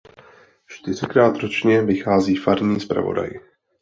Čtyřikrát ročně vychází farní zpravodaj.